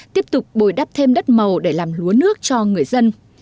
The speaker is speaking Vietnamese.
tiếp tục bồi đắp thêm đất màu để làm lúa nước cho người dân